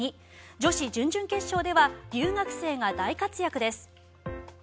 女子準々決勝では留学生が大活躍です。